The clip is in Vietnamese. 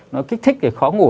nó kích thích cái khó ngủ